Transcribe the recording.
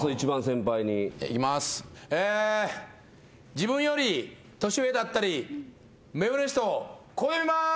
自分より年上だったり目上の人をこう呼びます。